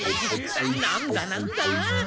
なんだなんだ？